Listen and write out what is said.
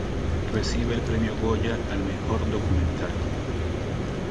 Recibe el Premio Goya al mejor documental.